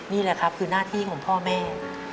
นี่แหละครับคือหน้าที่ของพ่อแม่